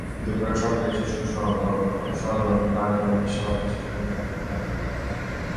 দুপুরে সরকারি শিশুসদন প্রাঙ্গণে শতাধিক শিশুকে নিয়ে কেক কাটার আয়োজন করা হয়।